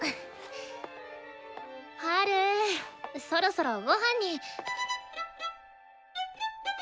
ハルそろそろごはんに。